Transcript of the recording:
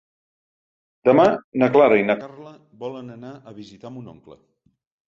Demà na Clara i na Carla volen anar a visitar mon oncle.